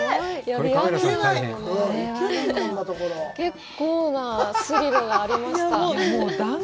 結構なスリルがありました。